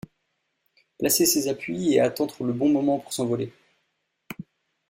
Placer ses appuis et attendre le bon moment pour s'envoler.